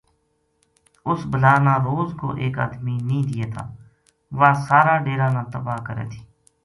اُس بلا نا روز کو ایک آدمی نیہہ دیے تھا واہ سارا ڈیرا نا تباہ کرے تھی